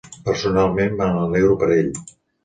Personalment, me n'alegro per ell.